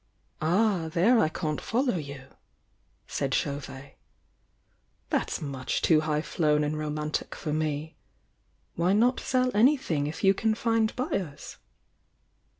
"Ah, there I can't follow you," said Chauvet. "That's much too high flown and romantic for me. Why not sell anything if you can find buyers?"